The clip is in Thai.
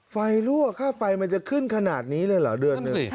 รั่วค่าไฟมันจะขึ้นขนาดนี้เลยเหรอเดือนหนึ่ง